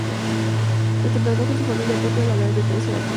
Se trasladó con su familia a Tokio a la edad de trece años.